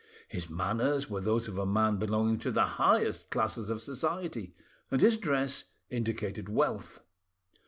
His manners were those of a man belonging to the highest classes of society, and his dress indicated wealth.